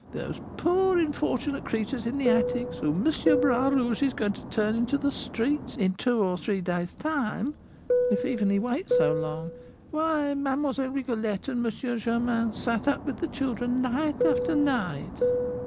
Those poor, unfortunate creatures in the attics, whom M. Bras Rouge is going to turn into the streets in two or three days' time, if even he wait so long, why, Mlle. Rigolette and M. Germain sat up with the children night after night!"